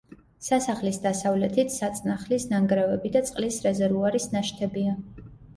სასახლის დასავლეთით საწნახლის ნანგრევები და წყლის რეზერვუარის ნაშთებია.